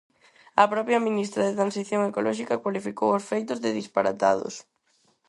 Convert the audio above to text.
A propia Ministra de Transición ecolóxica cualificou os feitos de disparatados.